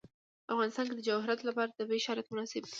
په افغانستان کې د جواهرات لپاره طبیعي شرایط مناسب دي.